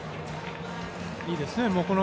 いいですね。